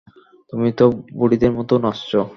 তুমি তো বুড়িদের মতো নাচছ!